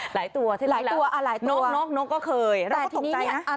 หลายตัวที่นี่แล้วนกก็เคยเราก็ต้องใจนะค่ะ